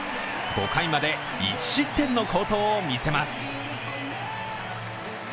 ５回まで１失点の好投を見せます。